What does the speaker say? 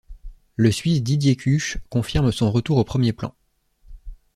Le Suisse Didier Cuche confirme son retour au premier plan.